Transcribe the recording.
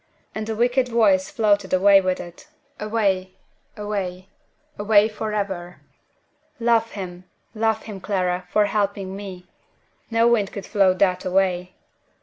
And the wicked Voice floated away with it away, away, away forever! 'Love him! love him, Clara, for helping me!' No wind could float that away!